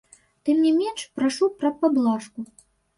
Тым не менш, прашу пра паблажку.